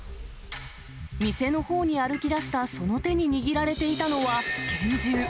店のほうに歩きだしたその手に握られていたのは、拳銃。